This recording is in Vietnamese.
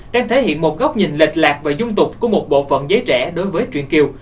đang thể hiện một góc nhìn lệch lạc và dung tục của một bộ phận giới trẻ đối với chuyện kiều